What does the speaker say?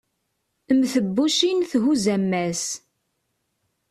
mm tebbucin thuzz ammas